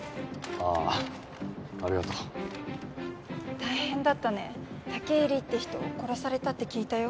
ああありがとう大変だったね武入って人殺されたって聞いたよ